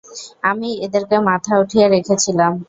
আমিই এদেরকে মাথায় ঊঠিয়ে রেখে ছিলাম।